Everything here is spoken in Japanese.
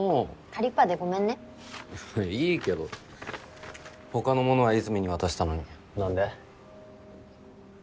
りっぱでごめんねいいけど他のものは和泉に渡したのに何で？